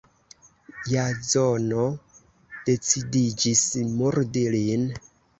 Jazono decidiĝis murdi lin.